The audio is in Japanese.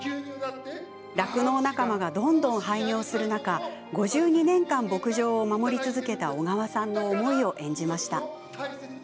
酪農仲間がどんどん廃業する中５２年間、牧場を守り続けた小川さんの思いを演じました。